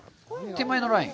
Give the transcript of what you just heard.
手前のライン？